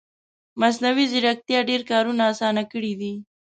مصنوعي ځیرکتیا ډېر کارونه اسانه کړي دي